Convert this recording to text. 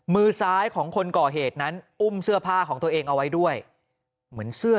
มือซ้ายของคนก่อเหตุนั้นอุ้มเสื้อผ้าของตัวเองเอาไว้ด้วยเหมือนเสื้อ